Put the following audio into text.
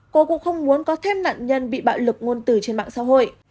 cô cũng không muốn có thêm nạn nhân bị bạo lực ngôn từ trên mạng xã hội